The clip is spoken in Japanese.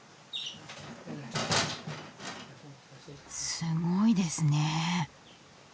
すごいですねえ。